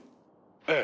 「ええ」